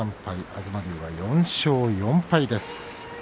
東龍４勝４敗です。